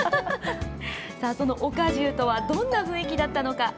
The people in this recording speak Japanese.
そのオカジューとはどんな雰囲気だったのか。